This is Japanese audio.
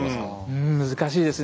うん難しいですねえ。